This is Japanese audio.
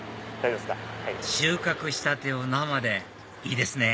収穫したてを生でいいですね